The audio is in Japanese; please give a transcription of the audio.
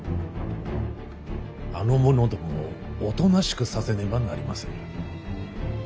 あの者どもをおとなしくさせねばなりませぬ。